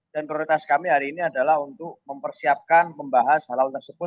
dan prioritas kami hari ini adalah untuk mempersiapkan membahas halal tersebut